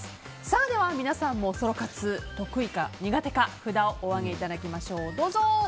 では、皆さんもソロ活得意か苦手か札をお上げいただきましょう。